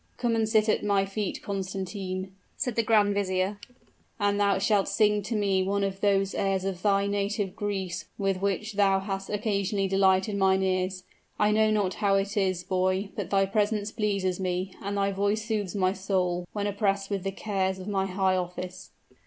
"Come and sit at my feet, Constantine," said the grand vizier, "and thou shalt sing to me one of those airs of thy native Greece with which thou hast occasionally delighted mine ears. I know not how it is, boy but thy presence pleases me, and thy voice soothes my soul, when oppressed with the cares of my high office."